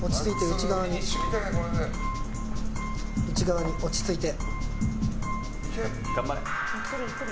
内側に、落ち着いて。